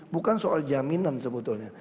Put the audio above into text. bukan soal jaminan sebetulnya